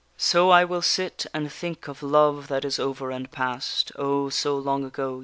_ So I will sit and think of love that is over and past, O, so long ago!